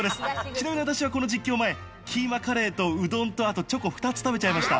ちなみに私はこの実況前、キーマカレーとうどんとチョコ２つ食べちゃいました。